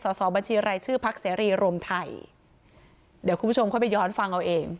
สอบบัญชีรายชื่อพักเสรีรวมไทยเดี๋ยวคุณผู้ชมค่อยไปย้อนฟังเอาเอง